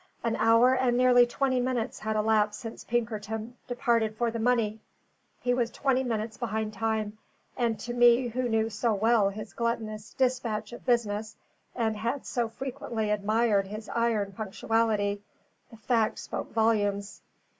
An hour and nearly twenty minutes had elapsed since Pinkerton departed for the money: he was twenty minutes behind time; and to me who knew so well his gluttonous despatch of business and had so frequently admired his iron punctuality, the fact spoke volumes.